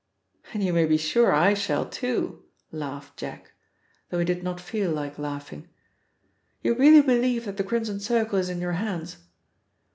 "And you may be sure I shall, too," laughed Jack, though he did not feel like laughing. "You really believe that the Crimson Circle is in your hands?"